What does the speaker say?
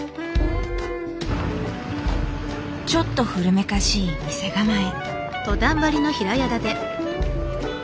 ちょっと古めかしい店構え。